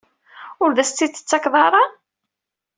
Ur as-t-id-tettakeḍ ara?